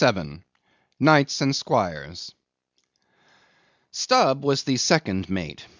Knights and Squires. Stubb was the second mate.